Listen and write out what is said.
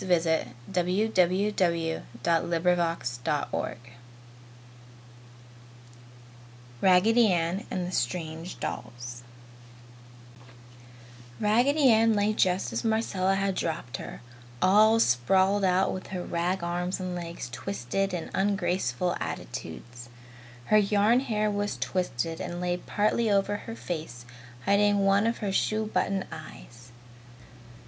RAGGEDY ANN AND THE STRANGE DOLLS Raggedy Ann lay just as Marcella had dropped her all sprawled out with her rag arms and legs twisted in ungraceful attitudes. Her yarn hair was twisted and lay partly over her face, hiding one of her shoe button eyes.